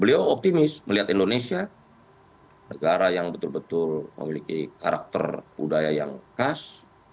beliau optimis melihat indonesia negara yang betul betul memiliki karakter budaya yang khas